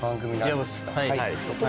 はい。